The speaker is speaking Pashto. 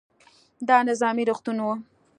دا نظامي روغتون و.